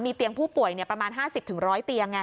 มีเตียงผู้ป่วยเนี้ยประมาณห้าสิบถึงร้อยเตียงไง